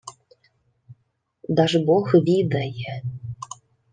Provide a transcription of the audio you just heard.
— Дажбог відає...